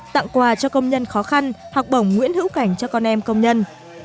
tặng quà cho công nhân khó khăn học bổng nguyễn hữu cảnh cho con em công nhân